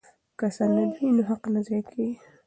که سند وي نو حق نه ضایع کیږي.